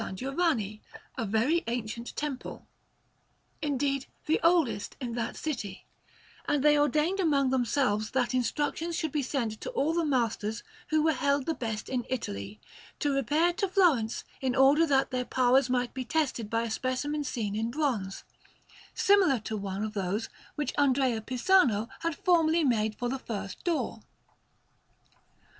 Giovanni, a very ancient temple, indeed, the oldest in that city; and they ordained among themselves that instructions should be sent to all the masters who were held the best in Italy, to repair to Florence in order that their powers might be tested by a specimen scene in bronze, similar to one of those which Andrea Pisano had formerly made for the first door.